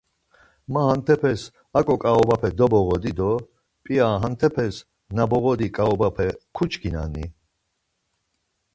Ma hantepes aǩo ǩaobape doboğodi do p̌ia hantepes na boğodi ǩaobape kuçkinani?